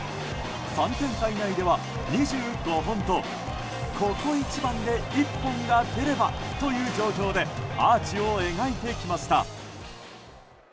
３点差以内では２５本とここ一番で一本が出ればという状況でアーチを描いてきました。